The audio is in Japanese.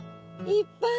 いっぱい！